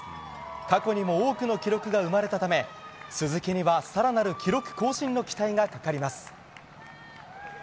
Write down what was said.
過去にも多くの記録が生まれたため鈴木には更なる記録更新の期待がかかります。